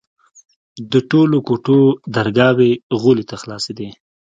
د ټولو کوټو درگاوې غولي ته خلاصېدې.